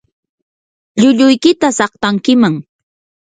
llulluykita saqtankiman.